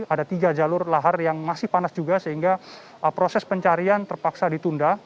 ada tiga jalur lahar yang masih panas juga sehingga proses pencarian terpaksa ditunda